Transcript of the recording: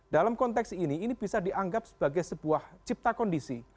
dalam konteks ini ini bisa dianggap sebagai sebuah cipta kondisi